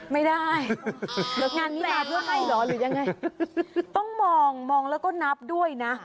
ไม่ได้หรือยังไงต้องมองมองแล้วก็นับด้วยนะ